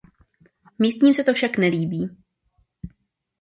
Místním se to však nelíbí.